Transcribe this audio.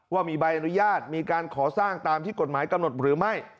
ว่ามีใบอนุญาตมีการก่อสร้างตามที่กฎหมายกำหนดหรือไม่